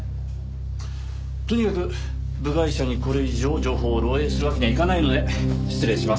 とにかく部外者にこれ以上情報を漏洩するわけにはいかないので失礼します。